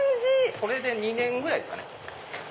それで２年ぐらいですかね。